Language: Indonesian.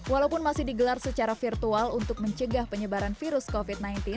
walaupun masih digelar secara virtual untuk mencegah penyebaran virus covid sembilan belas